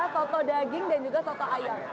soto daging dan juga soto ayam